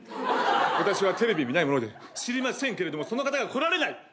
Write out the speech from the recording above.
私はテレビ見ないもので知りませんけれどもその方が来られない。